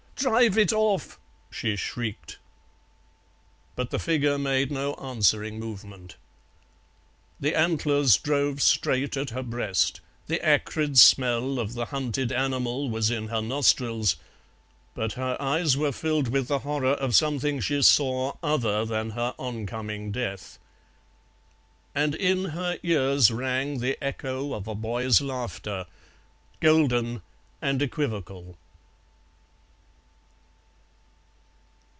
"Drive it off!" she shrieked. But the figure made no answering movement. The antlers drove straight at her breast, the acrid smell of the hunted animal was in her nostrils, but her eyes were filled with the horror of something she saw other than her oncoming death. And in her ears rang the echo of a boy's laughter, golden and equivocal.